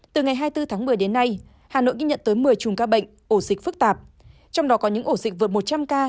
từ ngày hai mươi bốn tháng một mươi đến nay hà nội ghi nhận tới một mươi chùm ca bệnh ổ dịch phức tạp trong đó có những ổ dịch vượt một trăm linh ca